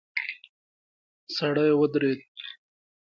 سړی ودرید.